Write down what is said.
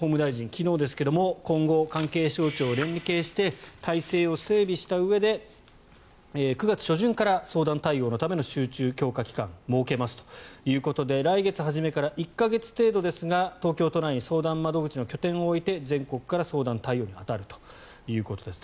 昨日ですが今後、関係省庁が連携して体制を整備したうえ９月初旬から相談対応のための集中強化期間を設けますということで来月初めから１か月程度ですが東京都内に相談窓口の拠点を置いて全国から相談対応に当たるということです。